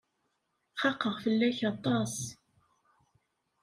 Xaqeɣ fell-ak aṭas.